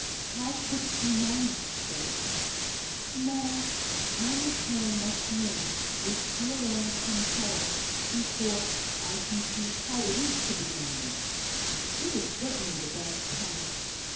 "How could it be managed, Faith?" "Nay, I must know much more, which she alone can tell us, before I can see how it is to be managed. It is certainly the best plan."